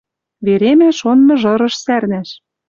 Веремӓ шон мыжырыш сӓрнӓш.